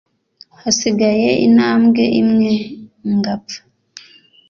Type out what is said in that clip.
hasigaye intambwe imwe ngapfa.”